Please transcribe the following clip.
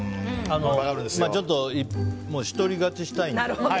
ちょっと、一人勝ちしたいので。